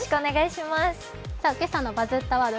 今朝の「バズったワード」